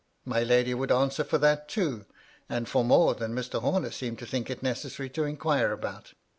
My lady would anwer for that too ; and for more than Mr. Homer seemed to think it necessary to inquire about.